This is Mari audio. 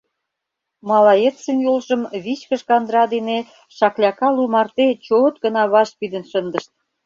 Малаецын йолжым вичкыж кандыра дене шакляка лу марте чот гына ваш пидын шындышт.